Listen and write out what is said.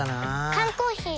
缶コーヒー